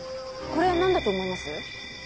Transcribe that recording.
これなんだと思います？